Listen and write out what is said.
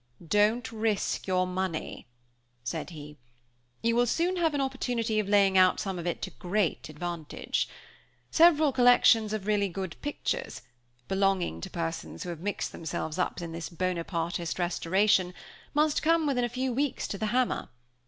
"Don't risk your money," said he. "You will soon have an opportunity of laying out some of it to great advantage. Several collections of really good pictures, belonging to persons who have mixed themselves up in this Bonapartist restoration, must come within a few weeks to the hammer.